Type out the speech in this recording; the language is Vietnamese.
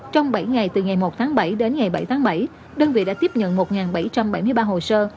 trong bảy ngày từ ngày một tháng bảy đến ngày bảy tháng bảy đơn vị đã tiếp nhận một bảy trăm bảy mươi ba hồ sơ